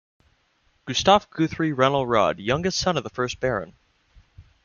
Gustaf Guthrie Rennell Rodd, youngest son of the first Baron.